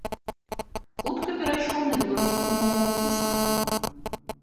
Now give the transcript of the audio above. Хутка перайшоў на беларускую мову і сам.